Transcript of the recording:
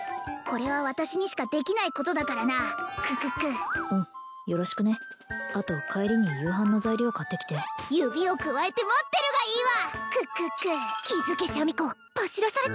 これは私にしかできないことだからなクックックッうんよろしくねあと帰りに夕飯の材料買ってきて指をくわえて待ってるがいいわ！